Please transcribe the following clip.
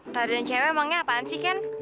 tarzan cewek emangnya apaan sih ken